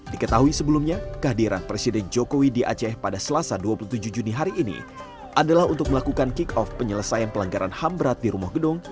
diketahui sebelumnya kehadiran presiden jokowi di aceh pada selasa dua puluh tujuh juni hari ini adalah untuk melakukan kick off penyelesaian pelanggaran ham berat di rumah gedung